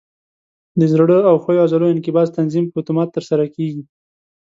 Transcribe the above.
د زړه او ښویو عضلو انقباض تنظیم په اتومات ترسره کېږي.